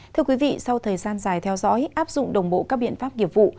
thưa quý vị sau thời gian dài theo dõi áp dụng đồng bộ các biện pháp nghiệp vụ